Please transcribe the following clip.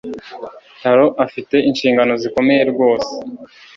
Taro afite inshingano zikomeye rwose